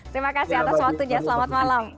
terima kasih atas waktunya selamat malam